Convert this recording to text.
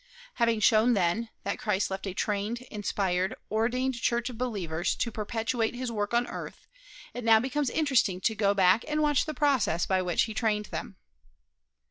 Having shown, then, that Christ left a trained, inspired, ordained church of believers to perpetuate his work on earth, it now becomes interesting to go back and watch the process by which he trained them.